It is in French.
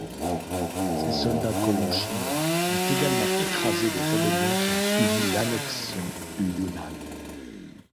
Ces soldats-colons chinois ont également écrasé les rébellions qui ont suivi l'annexion du Yunnan.